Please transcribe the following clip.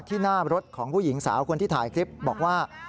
หน้ารถของผู้หญิงสาวคนที่ถ่ายคลิปบอกว่า